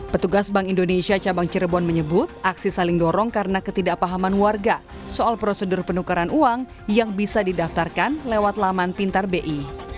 petugas bank indonesia cabang cirebon menyebut aksi saling dorong karena ketidakpahaman warga soal prosedur penukaran uang yang bisa didaftarkan lewat laman pintar bi